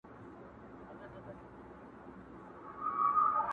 په نامه د شیرنۍ حرام نه خورمه.